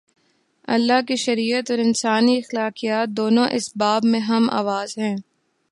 اللہ کی شریعت اور انسانی اخلاقیات، دونوں اس باب میں ہم آواز ہیں۔